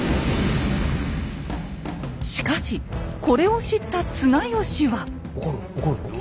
しかしこれを知った綱吉は。